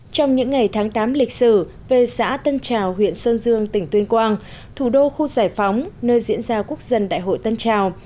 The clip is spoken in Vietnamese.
trong những ngày tháng tám lịch sử về xã tân trào huyện sơn dương tỉnh tuyên quang thủ đô khu giải phóng nơi diễn ra quốc dân đại hội tân trào